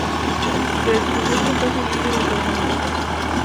Se descubrió que fue su líder el causante.